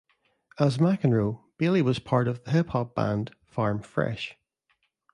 As Mcenroe, Bailey was part of the hip hop band Farm Fresh.